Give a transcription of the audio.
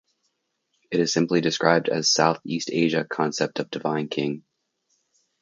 It is simply described as Southeast Asian concept of divine king.